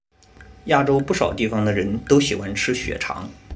亚洲不少地方的人都喜欢吃血肠。